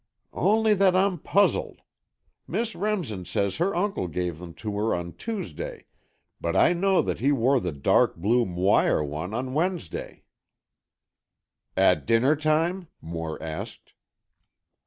"Only that I'm puzzled. Miss Remsen says her uncle gave them to her on Tuesday, but I know that he wore the dark blue moire one on Wednesday." "At dinner time?" Moore asked.